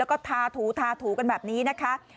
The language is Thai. แล้วก็ทาถูทาถูกันแบบนี้นะคะ